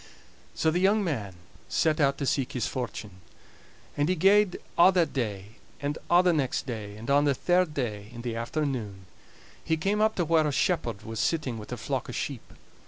So the young man set out to seek his fortune. And he gaed a' that day, and a' the next day; and on the third day, in the afternoon, he came up to where a shepherd was sitting with a flock o' sheep.